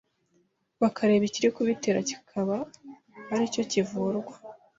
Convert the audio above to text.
bakareba ikiri kubitera kikaba ari cyo kivurwa.